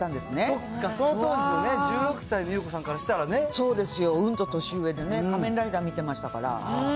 そっか、その当時も１６歳のゆう子さんからしたらね、そうですよ、うんと年上でね、仮面ライダー見てましたから。